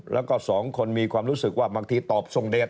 แล้วก็สองคนมีความรู้สึกว่าบางทีตอบทรงเดช